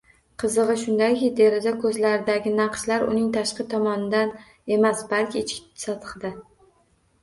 Qizig‘i shundaki, deraza ko‘zlaridagi naqshlar uning tashqi tomonida emas, balki ichki sathida